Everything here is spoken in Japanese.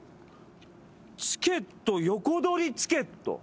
チケット横取りチケット。